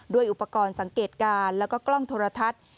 อุปกรณ์สังเกตการณ์แล้วก็กล้องโทรทัศน์